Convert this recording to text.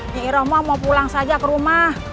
nyiroh mau pulang saja ke rumah